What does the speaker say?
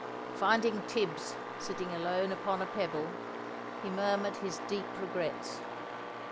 Finding Tibbs sitting alone upon a pebble, he murmured his deep regrets.